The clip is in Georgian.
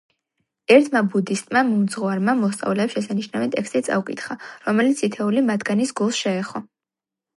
ერთმა ბუდისტმა მოძღვარმა მოსწავლეებს შესანიშნავი ტექსტი წაუკითხა, რომელიც თითოეული მათგანის გულს შეეხო.